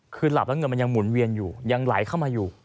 คือหลับแล้วเงินมันยังหุ่นเวียนอยู่ยังไหลเข้ามาอยู่